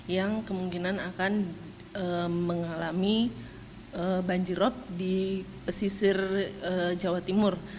yang kemungkinan akan mengalami banjirok di pesisir jawa timur